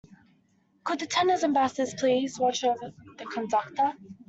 Could the tenors and basses please watch the conductor?